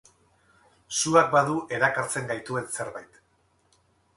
Suak badu erakartzen gaituen zerbait.